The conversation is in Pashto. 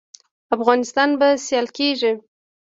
افغانستان به سیال کیږي